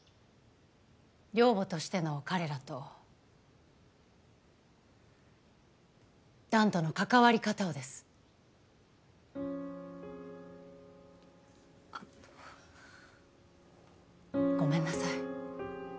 寮母としての彼らと弾との関わり方をですあごめんなさい